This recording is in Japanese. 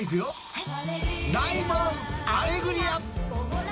はい。